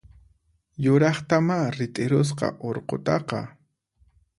Yuraqtamá rit'irusqa urqutaqa!